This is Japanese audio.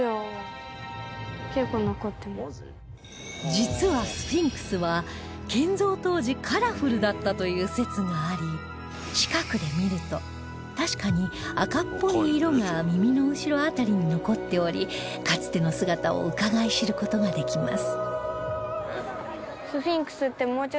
実はスフィンクスは建造当時カラフルだったという説があり近くで見ると確かに赤っぽい色が耳の後ろ辺りに残っておりかつての姿をうかがい知る事ができます